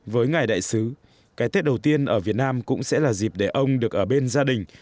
với ngài đại sứ cái tết đầu tiên ở việt nam cũng sẽ là dịp để ông được ở bên gia đình